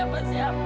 amirah itu selamat